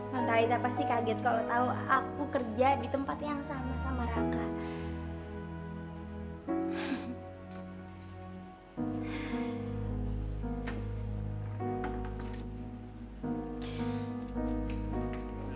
non talitha pasti kaget kalo tau aku kerja di tempat yang sama sama raka